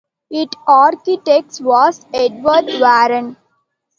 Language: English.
Its architect was Edward Warren.